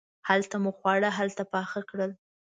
هلته مو خواړه خپله پاخه کړل.